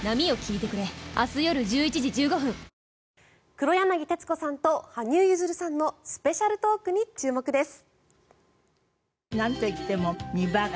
黒柳徹子さんと羽生結弦さんのスペシャルトークに注目です。